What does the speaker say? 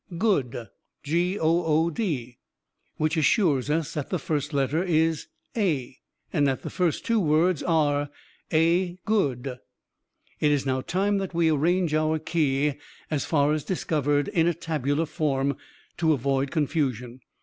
good, which assures us that the first letter is A, and that the first two words are 'A good.' "It is now time that we arrange our key, as far as discovered, in a tabular form, to avoid confusion.